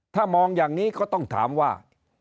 ถ้ามองอย่างนี้ก็ต้องถามว่า